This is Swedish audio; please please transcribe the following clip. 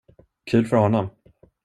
Kul för honom.